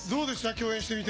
共演してみて。